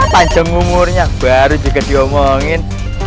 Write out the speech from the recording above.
panjang umurnya baru juga diomongin